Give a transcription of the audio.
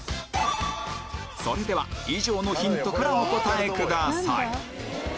それでは以上のヒントからお答えください